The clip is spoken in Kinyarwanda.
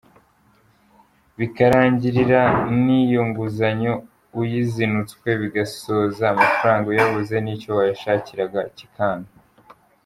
Bikarangira n’iyo nguzanyo uyizinutswe, bigasoza amafaranga uyabuze n’icyo wayashakiraga kikanga.